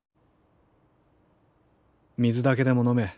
水だけでも飲め。